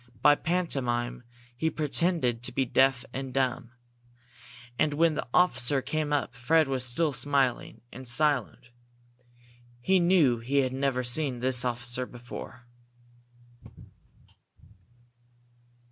By pantomime he pretended to be deaf and dumb. And when the officer came up, Fred was still smiling and silent. He knew he had never seen this officer before.